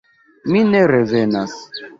Mi ne revenas.